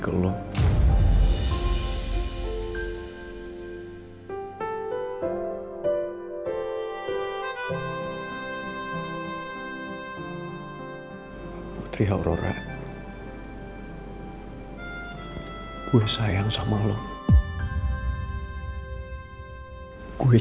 tapi tetep aja dia ngacangin gue